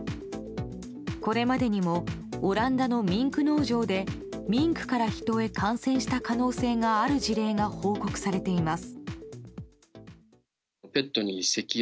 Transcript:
これまでにもオランダのミンク農場でミンクから人へ感染した可能性がある事例が報告されています。